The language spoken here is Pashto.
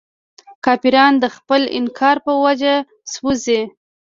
کافران د خپل انکار په وجه سوځي.